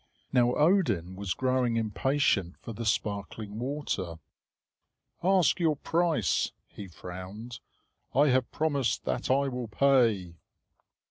Now Odin was growing impatient for the sparkling water. "Ask your price," he frowned. "I have promised that I will pay."